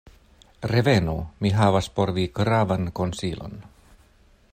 "Revenu! mi havas por vi gravan konsilon.